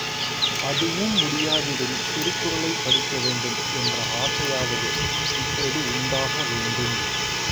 அதுவும் முடியாவிடில், திருக்குறளைப் படிக்கவேண்டும் என்ற ஆசையாவது இப்போது உண்டாக வேண்டும்.